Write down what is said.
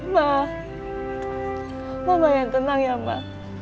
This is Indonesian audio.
ma mama yang tenang ya ma